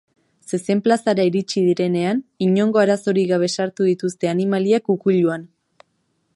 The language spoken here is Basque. Zezen-plazara iritsi direnean, inongo arazorik gabe sartu dituzte animaliak ukuiluan.